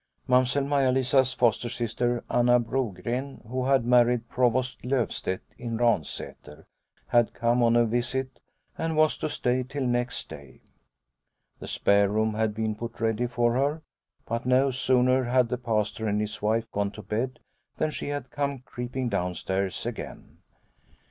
Mamsell Maia Lisa's foster sister, Anna Bro gren, who had married Provost Lovstedt in Ransater, had come on a visit and was to stay till next day. The spare room had been put ready for her, but no sooner had the Pastor and his wife gone to bed than she had come creeping downstairs again.